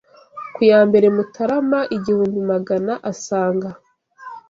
Ku ya mbere Mutarama igihumbi Magana asaga